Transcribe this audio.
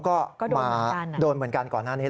ก็มาโดนเหมือนกันก่อนหน้านี้